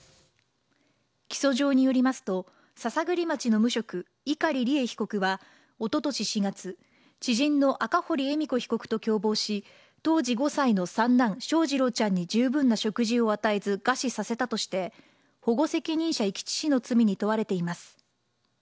起訴状によりますと、篠栗町の無職、碇利恵被告はおととし４月、知人の赤堀恵美子被告と共謀し、当時５歳の三男、翔士郎ちゃんに食事を与えず、餓死させたとして、保護責任者遺棄致死の罪に問われています。